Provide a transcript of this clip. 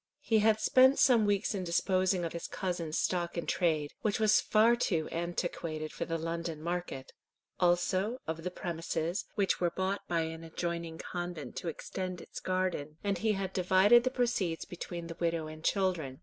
He had spent some weeks in disposing of his cousin's stock in trade, which was far too antiquated for the London market; also of the premises, which were bought by an adjoining convent to extend its garden; and he had divided the proceeds between the widow and children.